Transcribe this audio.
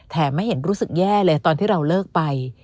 ไม่เห็นรู้สึกแย่เลยตอนที่เราเลิกไป